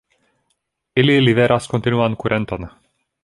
Ili liveras kontinuan kurenton.